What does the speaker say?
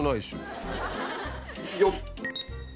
よっ。